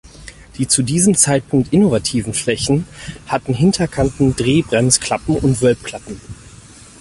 Die zu diesem Zeitpunkt innovativen Flächen hatten Hinterkanten-Drehbremsklappen und Wölbklappen.